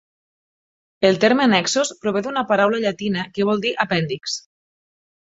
El terme annexos prové d'una paraula llatina que vol dir apèndixs.